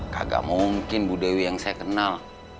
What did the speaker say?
kagak mungkin bu dewi yang saya kenal